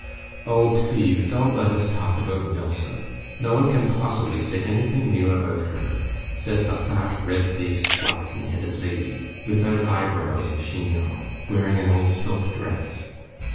"Oh, please, don't let us talk about Nilsson! No one can possibly say anything new about her," said a fat, red faced, flaxen headed lady, without eyebrows and chignon, wearing an old silk dress.